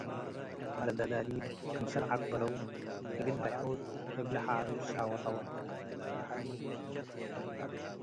ለደላ'ሊብ ክምሰል ዐቅበለው እግል በይሖት እብ ለሓሩጽ ሻወጠወ።